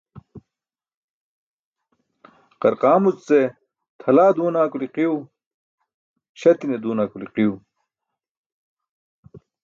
Qarqaamuc ce tʰalaa duuna kuli qiiw, śati̇ne duuna kuli qiiw.